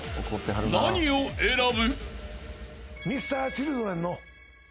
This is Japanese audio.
［何を選ぶ？］